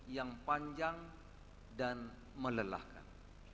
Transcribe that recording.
yang panjang dan melelahkan